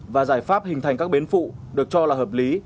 và giải pháp hình thành các bến phụ được cho là hợp lý